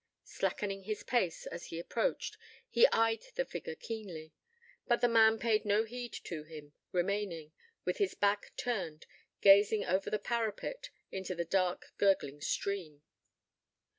Slackening his pace, as he approached, he eyed the figure keenly; but the man paid no heed to him, remaining, with his back turned, gazing over the parapet into the dark, gurgling stream.